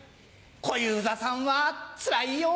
小遊三さんはつらいよ。